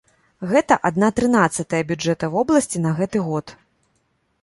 Гэта адна трынаццатая бюджэта вобласці на гэты год.